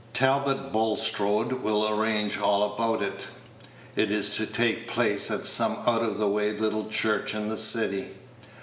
"Talbot Bulstrode will arrange all about it. It is to take place at some out of the way little church in the city.